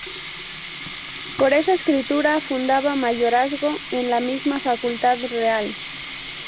Por esta escritura fundaba mayorazgo con la misma Facultad Real.